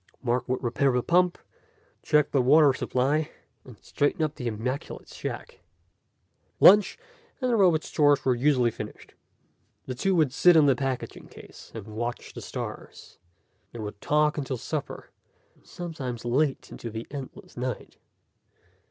Mark would repair the pump, check the water supply, and straighten up the immaculate shack. Lunch, and the robot's chores were usually finished. The two would sit on the packing case and watch the stars. They would talk until supper, and sometimes late into the endless night.